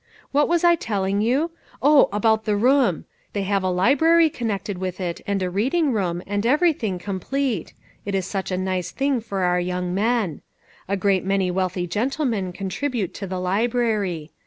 What was I telling you? Oh ! about the room ; they have a library connected with it, and a reading room, and everything complete j 432 LITTLE FISHERS: AND THEIB NETS. it is Buch a nice thing for our young men. A great many wealthy gentlemen contribute to the library.